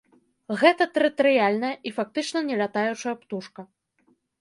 Гэта тэрытарыяльная і фактычна не лятаючая птушка.